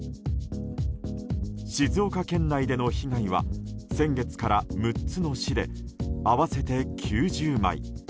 静岡県内での被害は先月から６つの市で合わせて９０枚。